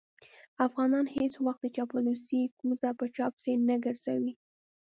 افغانان هېڅ وخت د چاپلوسۍ کوزه په چا پسې نه ګرځوي.